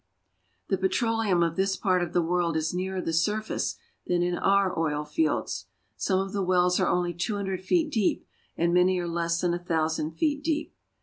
The petroleum of this part of the world is nearer the surface than in our oil fields. Some of the wells are only two hundred feet deep, and many are less than a thousand feet deep.